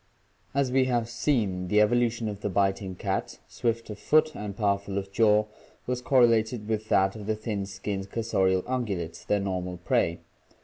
As we have seen, the evolution of the biting cats, swift of foot and powerful of jaw, was correlated with that of the thin skinned cursorial ungulates, their normal prey.